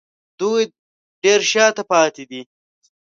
دوی ډېر شا ته پاتې وو